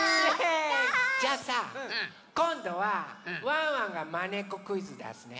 じゃあさこんどはワンワンがまねっこクイズだすね。